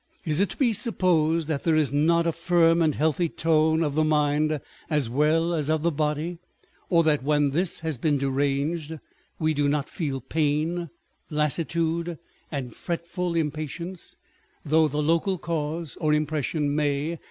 Is it to be supposed that there is not a firm and healthy tone of the mind as well as of the body ; or that when this has been deranged, we do not feel pain, lassitude, and fretful impatience, though the local cause or impression may.